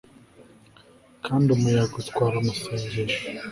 kandi umuyaga utwara amasengesho